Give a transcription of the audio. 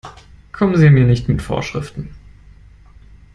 Kommen Sie mir nicht mit Vorschriften!